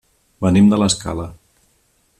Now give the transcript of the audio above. Venim de l'Escala.